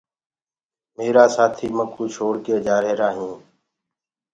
ميرآ سآٿيٚ مڪو ڇوڙڪي جآريهرائينٚ